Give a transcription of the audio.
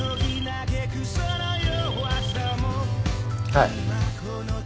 はい。